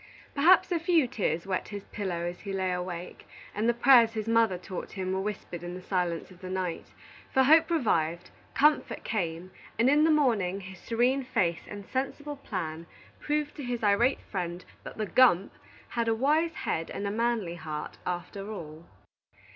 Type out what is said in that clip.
Perhaps a few tears wet his pillow as he lay awake, and the prayers his mother taught him were whispered in the silence of the night; for hope revived, comfort came, and in the morning his serene face and sensible plan proved to his irate friend that the "gump" had a wise head and a manly heart, after all.